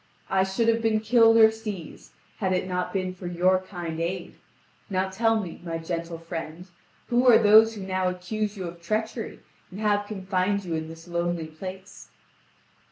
I should have been killed or seized, had it not been for your kind aid. Now tell me, my gentle friend, who are those who now accuse you of treachery, and have confined you in this lonely place?"